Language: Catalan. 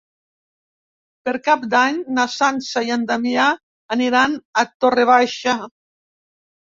Per Cap d'Any na Sança i en Damià aniran a Torre Baixa.